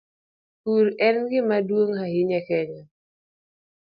Pur e gima duong' ahinya e Kenya.